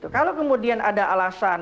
kalau kemudian ada alasan